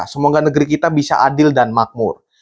semoga negeri kita bisa adil dan makmur